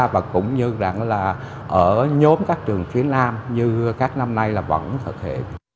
và cũng như rằng là ở nhóm các trường phía nam như các năm nay là vẫn thực hiện